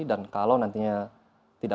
dan kalau nantinya tidak